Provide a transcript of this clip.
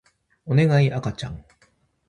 おねがい赤ちゃん